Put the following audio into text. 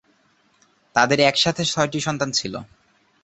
তাদের একসাথে ছয়টি সন্তান ছিল।